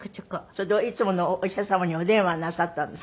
それでいつものお医者様にお電話なさったんですって？